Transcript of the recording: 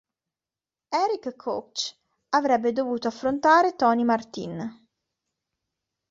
Erik Koch avrebbe dovuto affrontare Tony Martin.